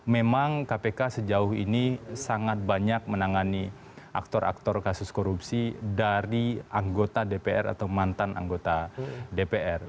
memang kpk sejauh ini sangat banyak menangani aktor aktor kasus korupsi dari anggota dpr atau mantan anggota dpr